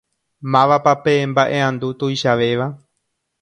Mávapa pe mbaʼeʼandu tuichavéva?